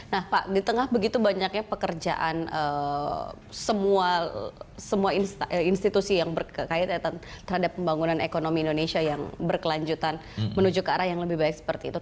nah pak di tengah begitu banyaknya pekerjaan semua institusi yang berkaitan terhadap pembangunan ekonomi indonesia yang berkelanjutan menuju ke arah yang lebih baik seperti itu